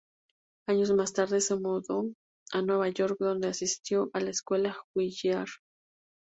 Años más tarde, se mudó a Nueva York, donde asistió a la Escuela Juilliard.